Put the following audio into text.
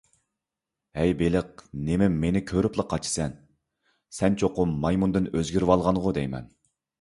ھەي بېلىق، نېمە مېنى كۆرۈپلا قاچىسەن؟ سەن چوقۇم مايمۇندىن ئۆزگىرىۋالغانغۇ دەيمەن؟